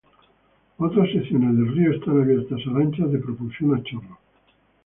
Otras secciones del río están abiertas a lanchas de propulsión a chorro.